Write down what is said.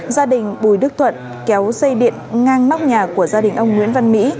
gia đình bùi đức thuận kéo dây điện ngang nóc nhà của gia đình ông nguyễn văn mỹ